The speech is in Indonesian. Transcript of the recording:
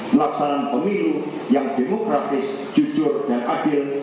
pelaksanaan pemilu yang demokratis jujur dan adil